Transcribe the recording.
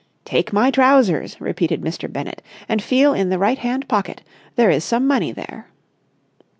"Take my trousers," repeated Mr. Bennett, "and feel in the right hand pocket. There is some money there."